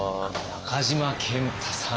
中島健太さん。